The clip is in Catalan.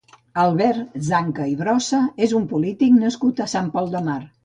Albert Zanca i Brossa és un polític nascut a Sant Pol de Mar.